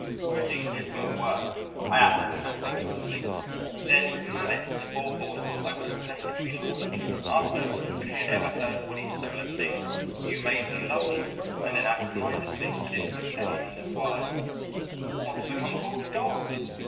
"Pretty dismal work," I added ambiguously. Then with malice aforethought I whistled a Harry Lauder tune, asked her if she had ever heard Willie Solar sing, "You made me love you," and then absent mindedly and in succession inquired, "What's become of all the gold?"